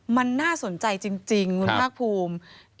มันน่าสนใจจริงคุณภาคภูมิ